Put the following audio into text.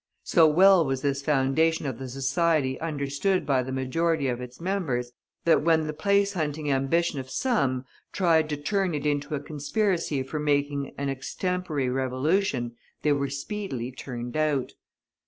So well was this foundation of the Society understood by the majority of its members, that when the place hunting ambition of some tried to turn it into a conspiracy for making an extempore revolution they were speedily turned out.